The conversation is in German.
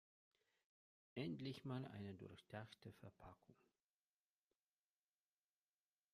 Endlich mal eine durchdachte Verpackung.